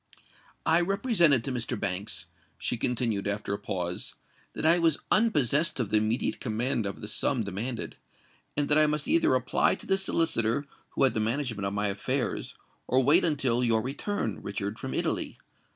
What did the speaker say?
"I represented to Mr. Banks," she continued, after a pause, "that I was unpossessed of the immediate command of the sum demanded, and that I must either apply to the solicitor who had the management of my affairs, or wait until your return, Richard, from Italy.